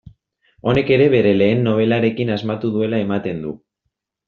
Honek ere bere lehen nobelarekin asmatu duela ematen du.